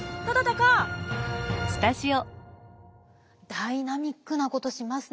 ダイナミックなことしますね。